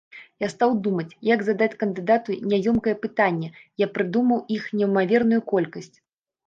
Я стаў думаць, як задаць кандыдату няёмкае пытанне, я прыдумаў іх неймаверную колькасць!